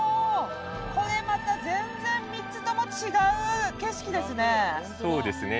全然３つとも違う景色ですね。